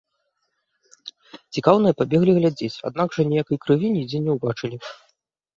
Цікаўныя пабеглі глядзець, аднак жа ніякай крыві нідзе не ўбачылі.